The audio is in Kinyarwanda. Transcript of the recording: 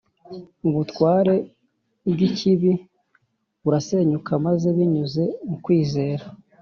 Ubutware bw’ikibi burasenyuka maze binyuze mu kwizera,